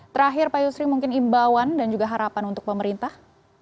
terakhir pak yusri mungkin imbauan dan juga harapan untuk pemerintah